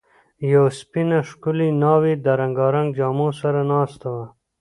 یوه سپینه، ښکلې ناوې د رنګارنګ جامو سره ناسته وه.